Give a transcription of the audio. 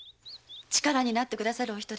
力になってくださるお人です。